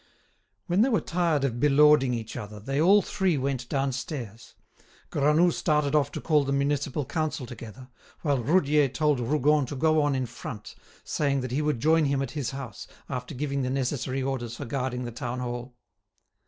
When they were tired of belauding each other, they all three went downstairs. Granoux started off to call the municipal council together, while Roudier told Rougon to go on in front, saying that he would join him at his house, after giving the necessary orders for guarding the Town Hall.